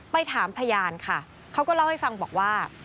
ไปถามพยานค่ะเขาก็เล่าให้ฟังบอกว่า